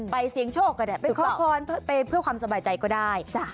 เสียงโชคก็ได้ไปขอพรไปเพื่อความสบายใจก็ได้